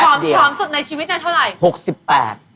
ผอมสุดในชีวิตน่ะเท่าไหร่